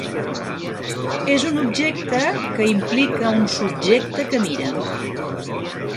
És un objecte que implica un subjecte que mira.